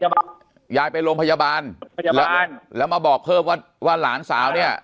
แต่เอาเป็นว่ายายไปโรงพยาบาลแล้วมาบอกเพิ่มว่าหลานสาวเนี่ย